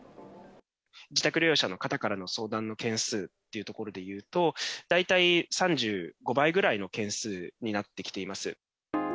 自宅療養者の方からの相談の件数というところでいうと、大体３５倍ぐらいの件数になってきています。